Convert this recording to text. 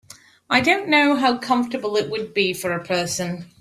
I don’t know how comfortable it would be for a person.